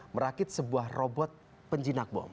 merakit sebuah robot penjinak bom